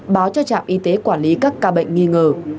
báo cho trạm y tế quản lý các ca bệnh nghi ngờ